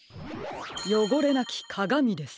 「よごれなきかがみ」です。